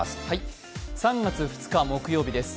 ３月２日木曜日です。